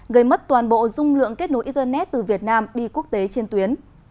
gây mất toàn bộ dung lượng kết nối internet từ việt nam đi quốc tế trên tuyến